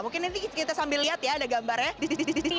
mungkin nanti kita sambil lihat ya ada gambarnya